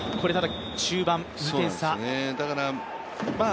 中盤、２点差。